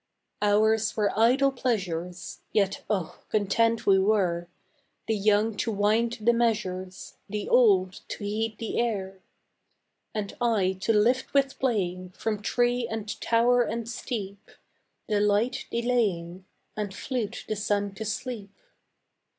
Ours were idle pleasures, Yet oh, content we were, The young to wind the measures, The old to heed the air; And I to lift with playing From tree and tower and steep The light delaying, And flute the sun to sleep.